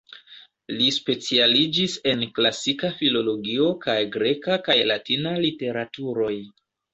Li specialiĝis en Klasika Filologio kaj greka kaj latina literaturoj.